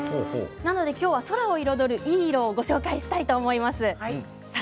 なので今日は空を彩る、いい色をご紹介したいと思います。